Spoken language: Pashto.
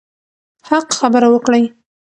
حق خبره وکړئ.